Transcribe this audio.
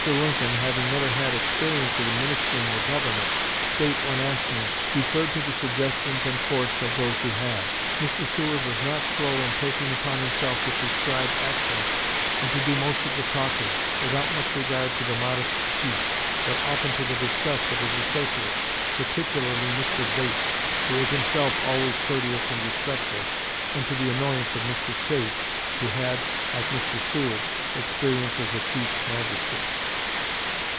Lincoln, having never had experience in administering the Government, State or National, deferred to the suggestions and course of those who had. Mr. Seward was not slow in taking upon himself to prescribe action and to do most of the talking, without much regard to the modest chief, but often to the disgust of his associates, particularly Mr. Bates, who was himself always courteous and respectful, and to the annoyance of Mr. Chase, who had had, like Mr. Seward, experience as a chief magistrate.